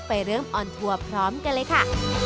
เริ่มออนทัวร์พร้อมกันเลยค่ะ